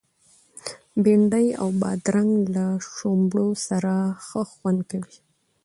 بنډۍ او بادرنګ له شړومبو سره ښه خوند کوي.